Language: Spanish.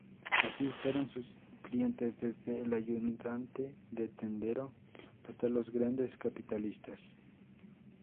Así, fueron sus clientes desde el ayudante de tendero hasta los grandes capitalistas.